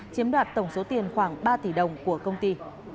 chiếm đoạt tổng số tiền khoảng ba tỷ đồng của công ty